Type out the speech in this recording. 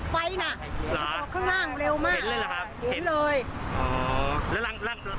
ควันมันออกหน้างไฟนะเห็นเลยครับมีควันข้างล่างเร็วมาก